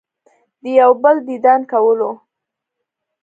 د يو بل ديدن کولو